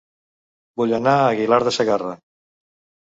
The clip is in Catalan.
Vull anar a Aguilar de Segarra